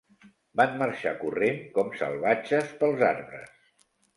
Van marxar corrent com salvatges pels arbres.